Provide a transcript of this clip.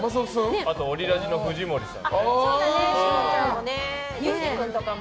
あとオリラジの藤森さん。